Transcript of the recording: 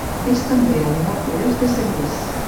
És també al nord-oest de Cellers.